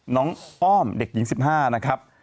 อ้อมเด็กหญิง๑๕นะครับ